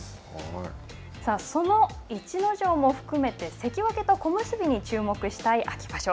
その逸ノ城も含めて、関脇と小結に注目したい秋場所。